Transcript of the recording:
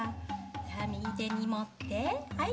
右手に持ってはい。